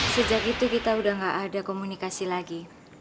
sejak itu kita udah gak ada komunikasi lagi